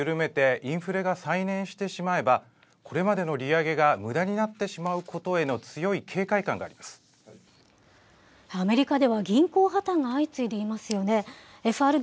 ここで手を緩めて、インフレが再燃してしまえば、これまでの利上げがむだになってしまうことへのアメリカでは、銀行破綻が相次いでいますよね。